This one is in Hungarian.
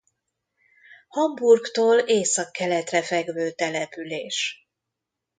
Hamburgtól északkeletre fekvő település.